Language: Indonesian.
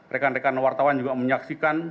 rekan rekan wartawan juga menyaksikan